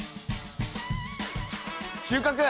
収穫！